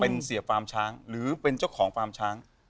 เป็นเสียฟาร์มช้างหรือเป็นเจ้าของฟาร์มช้าง